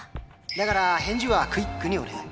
だから返事はクイックにお願い。